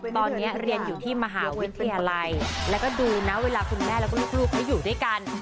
ตอนนี้เรียนอยู่ที่มหาวิทยาลัยแล้วก็ดูนะเวลาคุณแม่แล้วก็ลูกเขาอยู่ด้วยกัน